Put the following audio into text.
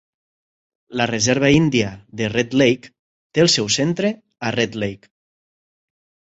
La reserva índia de red lake té el seu centre a Red Lake.